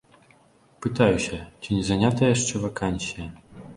Пытаюся, ці не занятая яшчэ вакансія.